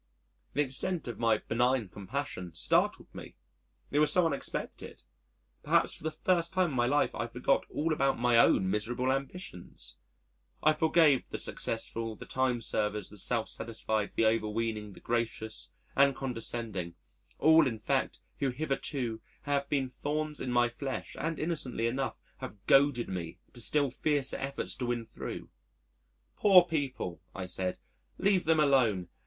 The extent of my benign compassion startled me it was so unexpected. Perhaps for the first time in my life I forgot all about my own miserable ambitions I forgave the successful, the time servers, the self satisfied, the overweening, the gracious and condescending all, in fact, who hitherto have been thorns in my flesh and innocently enough have goaded me to still fiercer efforts to win thro'. "Poor people," I said. "Leave them alone.